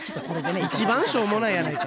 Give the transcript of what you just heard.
一番しょうもないやないか。